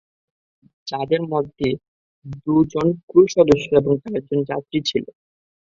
যাদের মধ্যে দুজন ক্রু সদস্য এবং চারজন যাত্রী ছিল।